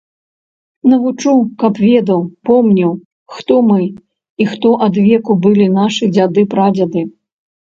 Навучу, каб ведаў, помніў, хто мы і хто адвеку былі нашы дзяды-прадзеды.